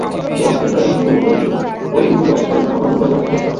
এই অধ্যায়ের প্রায় সমুদয়ই ঐ দুই অংশের ভাবানুবাদ ও ব্যাখ্যামাত্র।